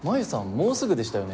もうすぐでしたよね